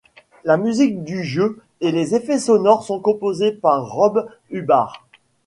La musique du jeu et les effets sonores sont composés par Rob Hubbard.